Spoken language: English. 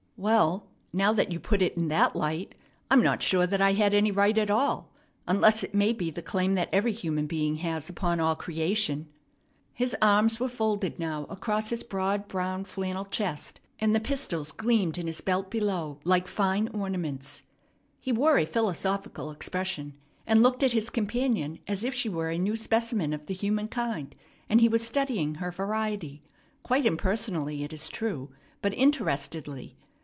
"Well, now that you put it in that light, I'm not sure that I had any right at all, unless it may be the claim that every human being has upon all creation." His arms were folded now across his broad brown flannel chest, and the pistols gleamed in his belt below like fine ornaments. He wore a philosophical expression, and looked at his companion as if she were a new specimen of the human kind, and he was studying her variety, quite impersonally, it is true, but interestedly.